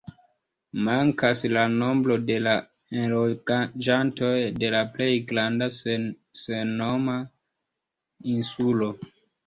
Mankas la nombro de enloĝantoj de la plej granda, sennoma insulo.